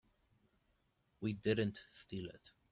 We didn't steal it.